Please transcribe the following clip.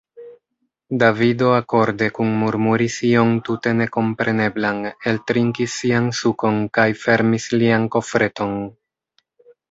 Davido akorde kunmurmuris ion tute nekompreneblan, eltrinkis sian sukon kaj fermis lian kofreton.